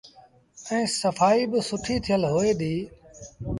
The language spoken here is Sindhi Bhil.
ائيٚݩ سڦآئيٚ با سُٺي ٿيل هوئي ديٚ۔